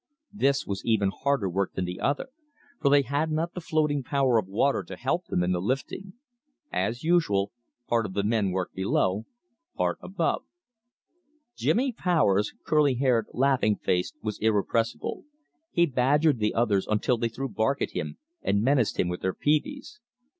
This was even harder work than the other, for they had not the floating power of water to help them in the lifting. As usual, part of the men worked below, part above. Jimmy Powers, curly haired, laughing faced, was irrepressible. He badgered the others until they threw bark at him and menaced him with their peaveys.